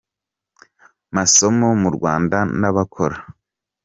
masomo mu Rwanda n’abakora.